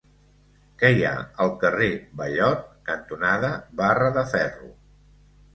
Què hi ha al carrer Ballot cantonada Barra de Ferro?